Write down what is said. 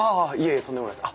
いえとんでもないです。